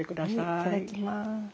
はいいただきます。